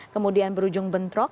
kemudian berujung bentrok